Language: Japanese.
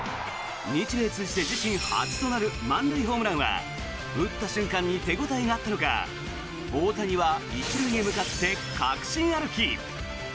日米通じて自身初となる満塁ホームランは打った瞬間に手応えがあったのか大谷は１塁へ向かって確信歩き。